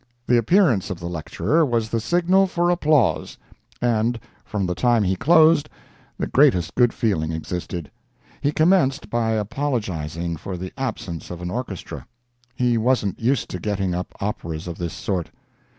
The appearance of the lecturer was the signal for applause, and from the time he closed, the greatest good feeling existed. He commenced by apologizing for the absence of an orchestra. He wasn't used to getting up operas of this sort.